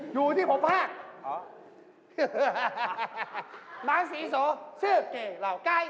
อยู่ที่ผมภาค